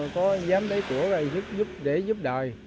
có dám đế cửa giúp đời